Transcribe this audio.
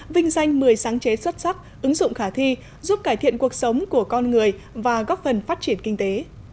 vinh danh một mươi sáng chế xuất sắc ứng dụng khả thi giúp cải thiện cuộc sống của con người và góp phần phát triển kinh tế